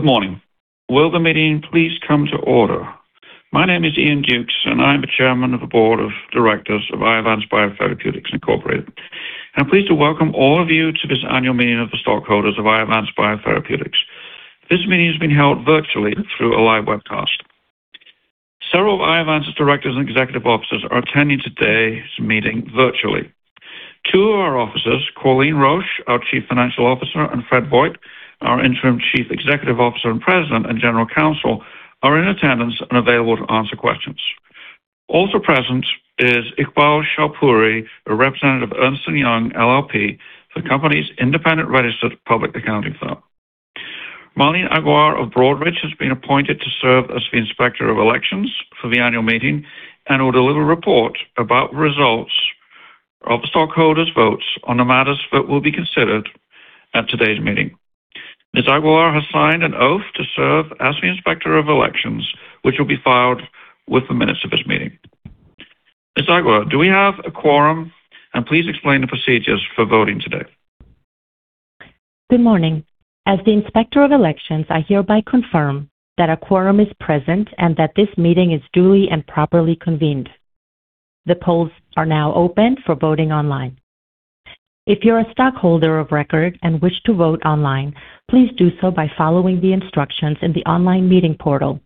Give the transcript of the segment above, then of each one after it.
Good morning. Will the meeting please come to order? My name is Iain Dukes, and I'm the Chairman of the Board of Directors of Iovance Biotherapeutics Incorporated. I'm pleased to welcome all of you to this annual meeting of the stockholders of Iovance Biotherapeutics. This meeting is being held virtually through a live webcast. Several of Iovance's directors and executive officers are attending today's meeting virtually. Two of our officers, Corleen Roche, our Chief Financial Officer, and Fred Vogt, our Interim Chief Executive Officer and President and General Counsel, are in attendance and available to answer questions. Also present is [Iqbal Shapouri], a representative of Ernst & Young LLP, the company's independent registered public accounting firm. Marlene Aguilar of Broadridge has been appointed to serve as the Inspector of Elections for the annual meeting and will deliver a report about the results of the stockholders' votes on the matters that will be considered at today's meeting. Ms. Aguilar has signed an oath to serve as the Inspector of Elections, which will be filed with the minutes of this meeting. Ms. Aguilar, do we have a quorum? Please explain the procedures for voting today. Good morning. As the Inspector of Elections, I hereby confirm that a quorum is present and that this meeting is duly and properly convened. The polls are now open for voting online. If you're a stockholder of record and wish to vote online, please do so by following the instructions in the online meeting portal.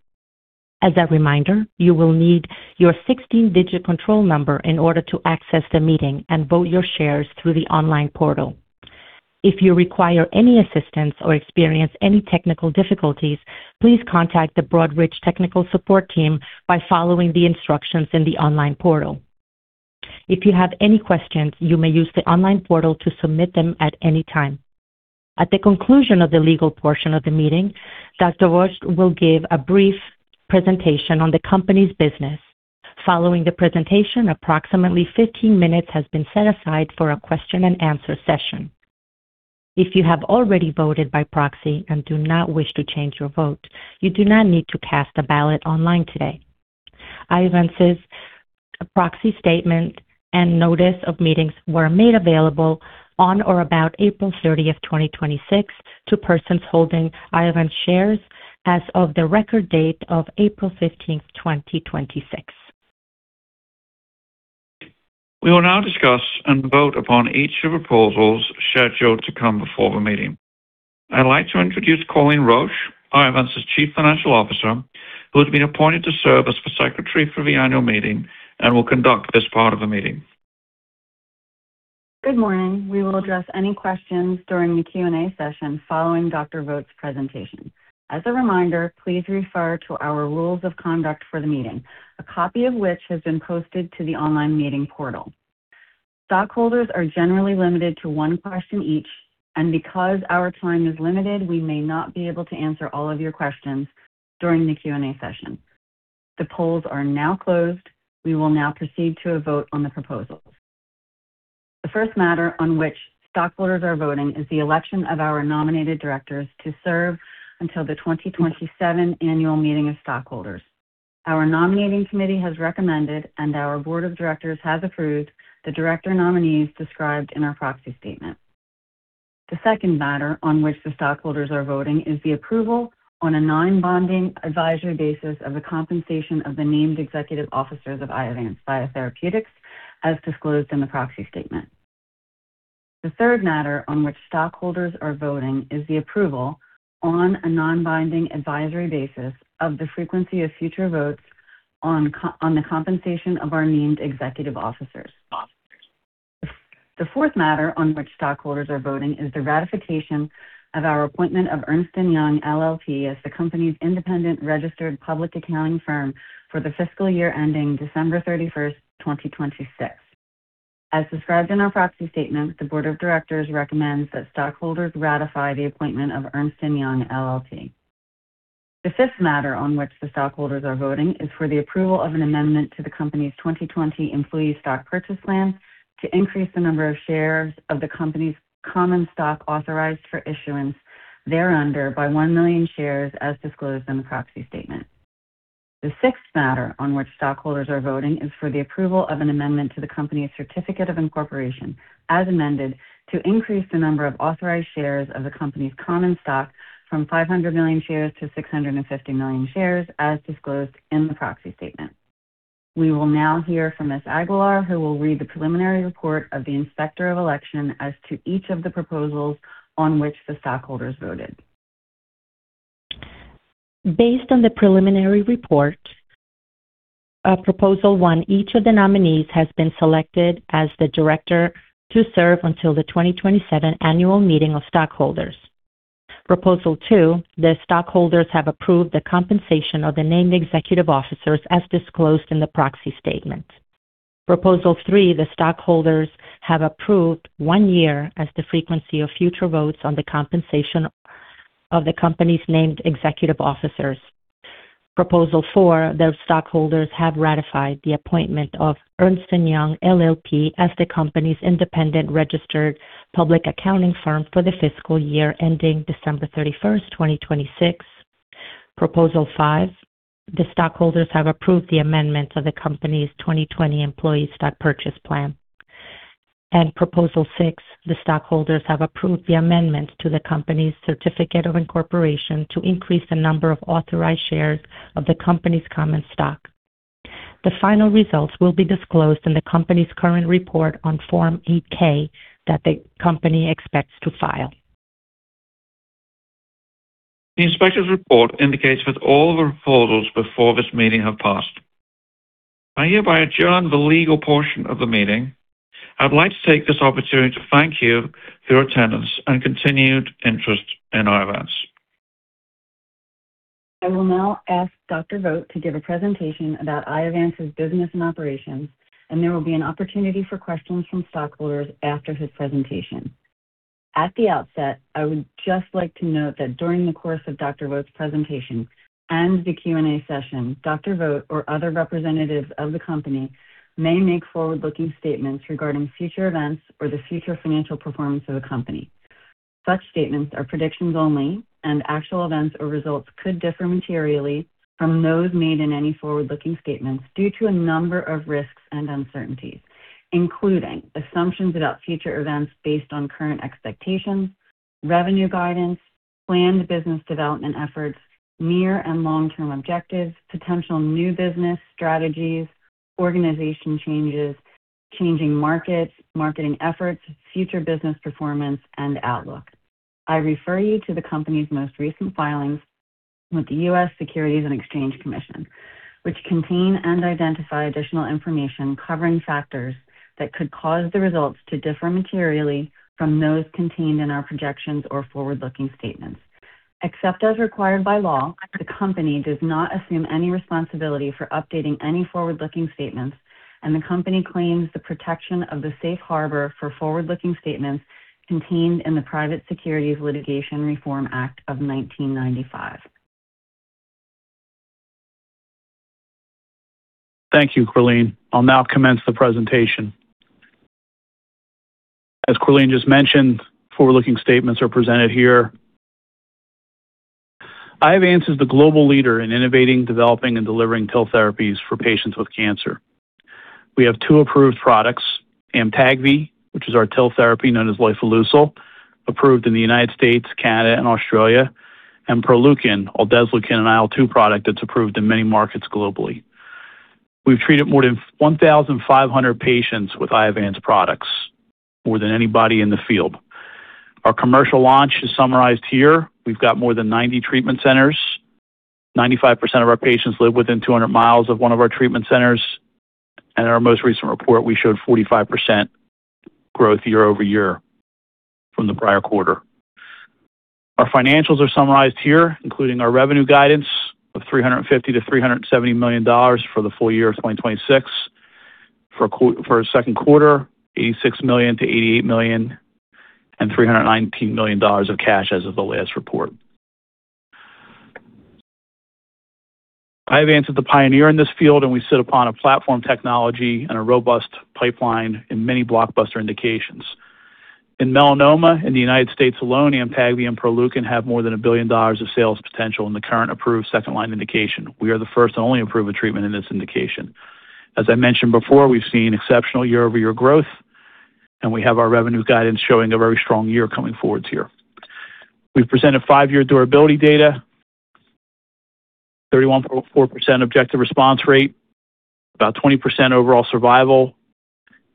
As a reminder, you will need your 16-digit control number in order to access the meeting and vote your shares through the online portal. If you require any assistance or experience any technical difficulties, please contact the Broadridge technical support team by following the instructions in the online portal. If you have any questions, you may use the online portal to submit them at any time. At the conclusion of the legal portion of the meeting, Dr. Vogt will give a brief presentation on the company's business. Following the presentation, approximately 15 minutes has been set aside for a question and answer session. If you have already voted by proxy and do not wish to change your vote, you do not need to cast a ballot online today. Iovance's proxy statement and notice of meetings were made available on or about April 30th, 2026 to persons holding Iovance shares as of the record date of April 15th, 2026. We will now discuss and vote upon each of the s scheduled to come before the meeting. I'd like to introduce Corleen Roche, Iovance's Chief Financial Officer, who has been appointed to serve as the Secretary for the annual meeting and will conduct this part of the meeting. Good morning. We will address any questions during the Q&A session following Dr. Vogt's presentation. As a reminder, please refer to our rules of conduct for the meeting, a copy of which has been posted to the online meeting portal. Stockholders are generally limited to one question each, because our time is limited, we may not be able to answer all of your questions during the Q&A session. The polls are now closed. We will now proceed to a vote on the proposals. The first matter on which stockholders are voting is the election of our nominated directors to serve until the 2027 annual meeting of stockholders. Our Nominating Committee has recommended and our Board of Directors has approved the director nominees described in our proxy statement. The second matter on which the stockholders are voting is the approval on a non-binding advisory basis of the compensation of the named executive officers of Iovance Biotherapeutics as disclosed in the proxy statement. The third matter on which stockholders are voting is the approval on a non-binding advisory basis of the frequency of future votes on the compensation of our named executive officers. The fourth matter on which stockholders are voting is the ratification of our appointment of Ernst & Young LLP as the company's independent registered public accounting firm for the fiscal year ending December 31st, 2026. As described in our proxy statement, the Board of Directors recommends that stockholders ratify the appointment of Ernst & Young LLP. The fifth matter on which the stockholders are voting is for the approval of an amendment to the company's 2020 Employee Stock Purchase Plan to increase the number of shares of the company's common stock authorized for issuance thereunder by one million shares as disclosed in the proxy statement. The sixth matter on which stockholders are voting is for the approval of an amendment to the company's certificate of incorporation as amended to increase the number of authorized shares of the company's common stock from 500 million shares to 650 million shares as disclosed in the proxy statement. We will now hear from Ms. Aguilar, who will read the preliminary report of the Inspector of Election as to each of the proposals on which the stockholders voted. Based on the preliminary report of Proposal one, each of the nominees has been selected as the director to serve until the 2027 annual meeting of stockholders. Proposal two, the stockholders have approved the compensation of the named executive officers as disclosed in the proxy statement. Proposal three, the stockholders have approved one year as the frequency of future votes on the compensation of the company's named executive officers. Proposal four, the stockholders have ratified the appointment of Ernst & Young LLP as the company's independent registered public accounting firm for the fiscal year ending December 31, 2026. Proposal five, the stockholders have approved the amendment of the company's 2020 Employee Stock Purchase Plan. Proposal six, the stockholders have approved the amendment to the company's certificate of incorporation to increase the number of authorized shares of the company's common stock. The final results will be disclosed in the company's current report on Form 8-K that the company expects to file. The inspector's report indicates that all the proposals before this meeting have passed. I hereby adjourn the legal portion of the meeting. I would like to take this opportunity to thank you for your attendance and continued interest in Iovance. I will now ask Dr. Vogt to give a presentation about Iovance's business and operations, and there will be an opportunity for questions from stockholders after his presentation. At the outset, I would just like to note that during the course of Dr. Vogt's presentation and the Q&A session, Dr. Vogt or other representatives of the company may make forward-looking statements regarding future events or the future financial performance of the company. Such statements are predictions only, and actual events or results could differ materially from those made in any forward-looking statements due to a number of risks and uncertainties, including assumptions about future events based on current expectations, revenue guidance, planned business development efforts, near and long-term objectives, potential new business strategies, organization changes, changing markets, marketing efforts, future business performance, and outlook. I refer you to the company's most recent filings with the U.S. Securities and Exchange Commission, which contain and identify additional information covering factors that could cause the results to differ materially from those contained in our projections or forward-looking statements. Except as required by law, the company does not assume any responsibility for updating any forward-looking statements, and the company claims the protection of the safe harbor for forward-looking statements contained in the Private Securities Litigation Reform Act of 1995. Thank you, Corleen. I'll now commence the presentation. As Corleen just mentioned, forward-looking statements are presented here. Iovance is the global leader in innovating, developing, and delivering TIL therapies for patients with cancer. We have two approved products, AMTAGVI, which is our TIL therapy known as lifileucel, approved in the United States, Canada, and Australia, and PROLEUKIN, or aldesleukin, an IL-2 product that's approved in many markets globally. We've treated more than 1,500 patients with Iovance products, more than anybody in the field. Our commercial launch is summarized here. We've got more than 90 treatment centers. 95% of our patients live within 200 mi of one of our treatment centers. In our most recent report, we showed 45% growth year-over-year from the prior quarter. Our financials are summarized here, including our revenue guidance of $350 million-$370 million for the full year of 2026. For second quarter, $86 million-$88 million, and $319 million of cash as of the last report. Iovance is the pioneer in this field, and we sit upon a platform technology and a robust pipeline in many blockbuster indications. In melanoma in the United States alone, AMTAGVI and PROLEUKIN have more than $1 billion of sales potential in the current approved second-line indication. We are the first and only approved treatment in this indication. As I mentioned before, we've seen exceptional year-over-year growth, and we have our revenue guidance showing a very strong year coming forward here. We've presented five-year durability data, 31.4% objective response rate, about 20% overall survival,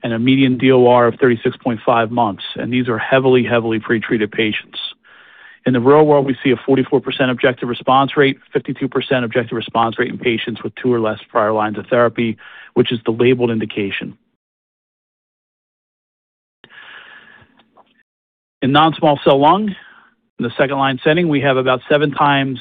and a median DOR of 36.5 months, and these are heavily pretreated patients. In the real world, we see a 44% objective response rate, 52% objective response rate in patients with two or less prior lines of therapy, which is the labeled indication. In non-small cell lung, in the second-line setting, we have about seven times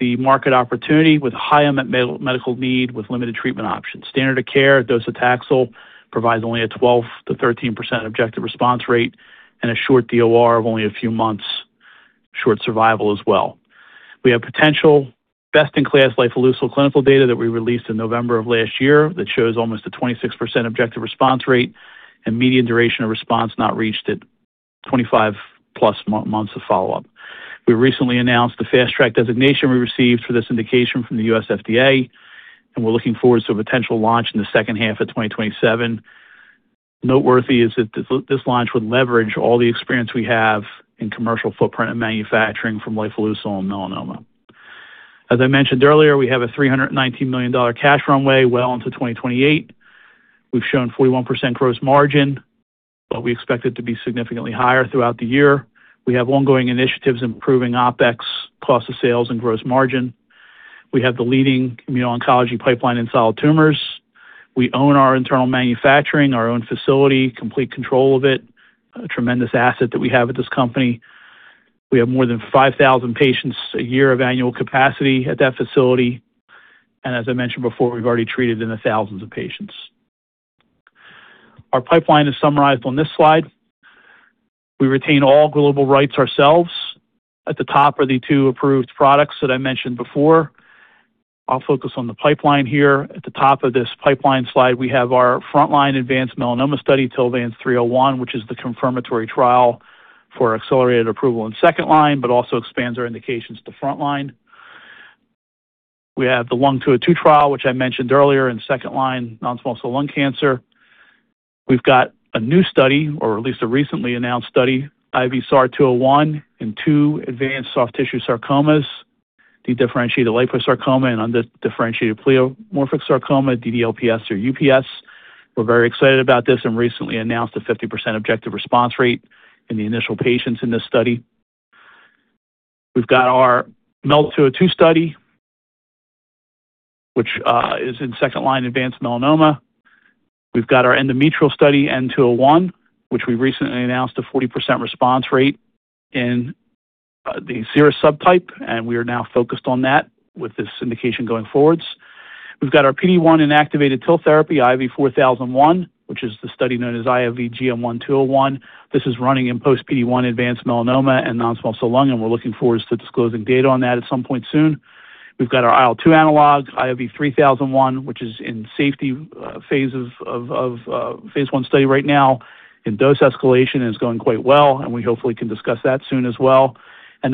the market opportunity with high unmet medical need with limited treatment options. Standard of care docetaxel provides only a 12%-13% objective response rate and a short DOR of only a few months, short survival as well. We have potential best-in-class lifileucel clinical data that we released in November of last year that shows almost a 26% objective response rate and median duration of response not reached at 25+ months of follow-up. We recently announced the Fast Track designation we received for this indication from the U.S. FDA, and we're looking forward to a potential launch in the second half of 2027. Noteworthy is that this launch would leverage all the experience we have in commercial footprint and manufacturing from lifileucel in melanoma. As I mentioned earlier, we have a $319 million cash runway well into 2028. We've shown 41% gross margin, but we expect it to be significantly higher throughout the year. We have ongoing initiatives improving OpEx, cost of sales, and gross margin. We have the leading immuno-oncology pipeline in solid tumors. We own our internal manufacturing, our own facility, complete control of it, a tremendous asset that we have at this company. We have more than 5,000 patients a year of annual capacity at that facility. As I mentioned before, we've already treated in the thousands of patients. Our pipeline is summarized on this slide. We retain all global rights ourselves. At the top are the two approved products that I mentioned before. I'll focus on the pipeline here. At the top of this pipeline slide, we have our Frontline Advanced Melanoma Study, TILVANCE-301, which is the confirmatory trial for accelerated approval in second-line, but also expands our indications to frontline. We have the LUN-202 trial, which I mentioned earlier, in second-line non-small cell lung cancer. We've got a new study, or at least a recently announced study, IOV-SAR-201, in two advanced soft tissue sarcomas, dedifferentiated liposarcoma and undifferentiated pleomorphic sarcoma, DDLPS or UPS. We're very excited about this and recently announced a 50% objective response rate in the initial patients in this study. We've got our MEL-202 study, which is in second-line advanced melanoma. We've got our Endometrial Study, N201, which we recently announced a 40% response rate in the serous subtype, and we are now focused on that with this indication going forwards. We've got our PD-1 inactivated TIL therapy, IOV-4001, which is the study known as IOV-GM1-201. This is running in Post-PD-1 Advanced Melanoma and non-small cell lung, and we're looking forward to disclosing data on that at some point soon. We've got our IL-2 analog, IOV-3001, which is in safety phases of phase I study right now in dose escalation, and it's going quite well, and we hopefully can discuss that soon as well.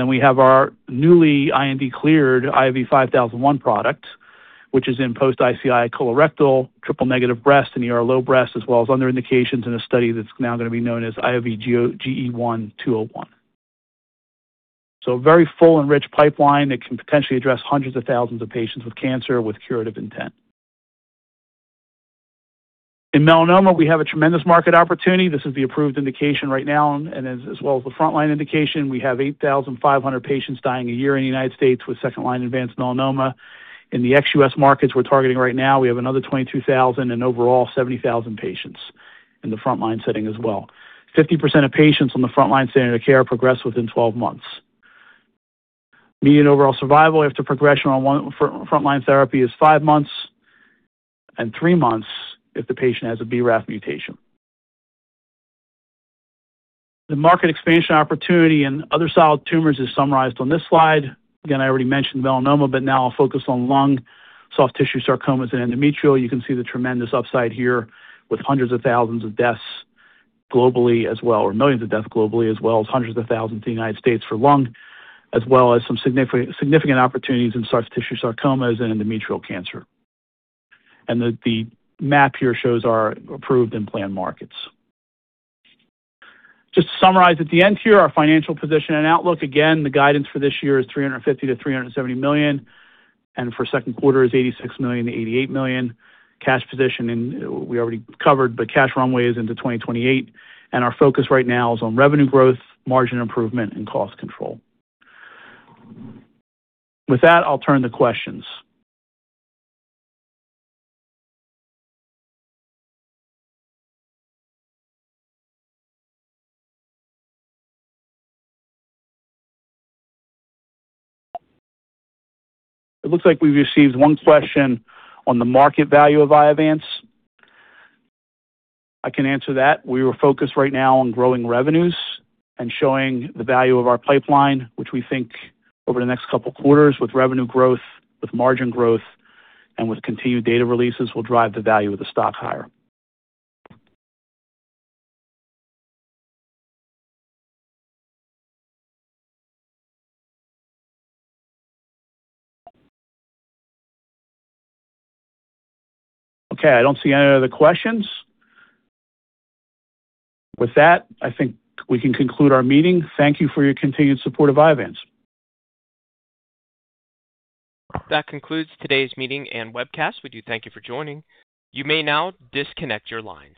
We have our newly IND-cleared IOV-5001 product, which is in post-ICI colorectal, triple-negative breast, and ER low breast, as well as other indications in a study that's now going to be known as IOV-GE1-201. A very full and rich pipeline that can potentially address hundreds of thousands of patients with cancer with curative intent. In melanoma, we have a tremendous market opportunity. This is the approved indication right now and as well as the frontline indication. We have 8,500 patients dying a year in the U.S. with second-line advanced melanoma. In the ex-U.S. markets we're targeting right now, we have another 22,000 and overall 70,000 patients in the frontline setting as well. 50% of patients on the frontline standard of care progress within 12 months. Median overall survival after progression on frontline therapy is five months, and three months if the patient has a BRAF mutation. The market expansion opportunity in other solid tumors is summarized on this slide. Again, I already mentioned melanoma, I'll focus on lung, soft tissue sarcomas, and endometrial. You can see the tremendous upside here with hundreds of thousands of deaths globally as well, or millions of deaths globally, as well as hundreds of thousands in the U.S. for lung, as well as some significant opportunities in soft tissue sarcomas and endometrial cancer. The map here shows our approved and planned markets. To summarize at the end here, our financial position and outlook. Again, the guidance for this year is $350 million-$370 million, and for second quarter is $86 million-$88 million. Cash position we already covered, but cash runway is into 2028, and our focus right now is on revenue growth, margin improvement, and cost control. With that, I'll turn to questions. It looks like we've received one question on the market value of Iovance. I can answer that. We are focused right now on growing revenues and showing the value of our pipeline, which we think over the next couple quarters with revenue growth, with margin growth, and with continued data releases, will drive the value of the stock higher. I don't see any other questions. With that, I think we can conclude our meeting. Thank you for your continued support of Iovance. That concludes today's meeting and webcast. We do thank you for joining. You may now disconnect your lines.